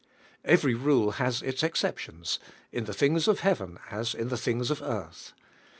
Every ru!e has its exceptions, in the things of heaven as in the things of earth.